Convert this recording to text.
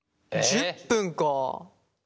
１０分か。